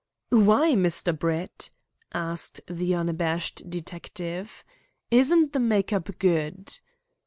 "Why, Mr. Brett?" asked the unabashed detective. "Isn't the make up good?"